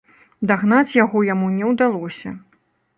Дагнаць яго яму не ўдалося.